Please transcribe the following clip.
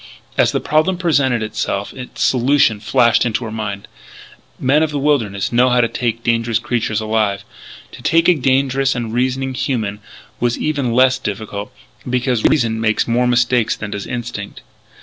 As the problem presented itself its solution flashed into her mind. Men of the wilderness knew how to take dangerous creatures alive. To take a dangerous and reasoning human was even less difficult, because reason makes more mistakes than does instinct.